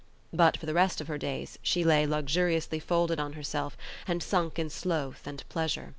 But for the rest of her days she lay luxuriously folded on herself and sunk in sloth and pleasure.